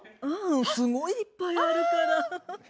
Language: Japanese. うんすごいいっぱいあるから。